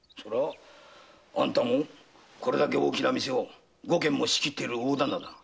あんたもこれだけ大きな店を五軒も仕切ってる大旦那だ。